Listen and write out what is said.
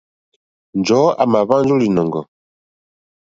Njɔ̀ɔ́ à mà hwánjá ó lìnɔ̀ŋgɔ̀.